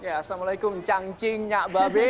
assalamualaikum cangcing nyak babi